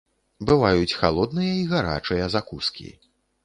Бываюць халодныя і гарачыя закускі.